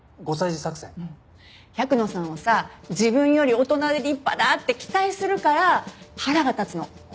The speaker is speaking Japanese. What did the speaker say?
百野さんをさ自分より大人で立派だって期待するから腹が立つの。